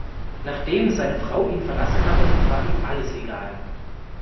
Nachdem seine Frau ihn verlassen hatte, war ihm alles egal.